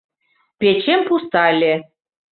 Печем пуста ыле.